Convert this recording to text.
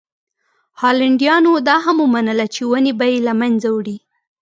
هالنډیانو دا هم ومنله چې ونې به یې له منځه وړي.